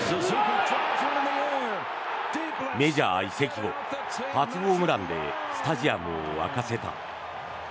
メジャー移籍後初ホームランでスタジアムを沸かせた。